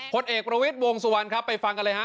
ผลเอกประวิทย์วงสุวรรณครับไปฟังกันเลยฮ